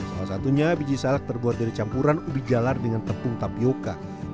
salah satunya biji salak terbuat dari campuran ubi galar dengan tepung tapioca